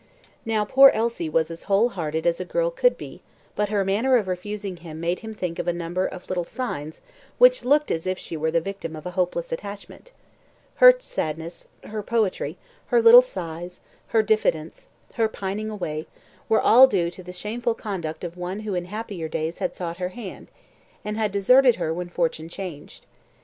Now poor Elsie was as heart whole as a girl could be, but her manner of refusing made him think of a number of little signs which looked as if she were the victim of a hopeless attachment. Her sadness, her poetry, her little sighs, her diffidence, her pining away, were all due to the shameful conduct of one who in happier days had sought her hand, and had deserted her when fortune changed.